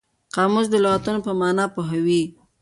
قاموس د لغتونو په مانا پوهوي.